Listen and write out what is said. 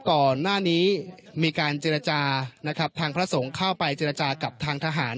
ก่อนหน้านี้มีการเจรจานะครับทางพระสงฆ์เข้าไปเจรจากับทางทหาร